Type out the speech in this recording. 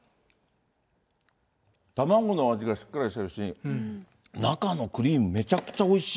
卵の味がしっかりしてるし、中のクリーム、めちゃくちゃおいしい。